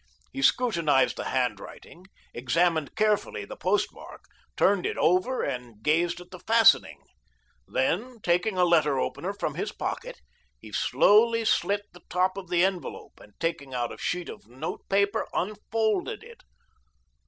He scrutinised the handwriting, examined carefully the postmark, turned it over and gazed at the fastening. Then taking a letter opener from his pocket, he slowly slit the top of the envelope, and taking out a sheet of notepaper unfolded it.